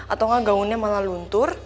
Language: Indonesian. atau gaunnya malah luntur